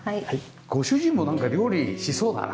ご主人もなんか料理しそうだな。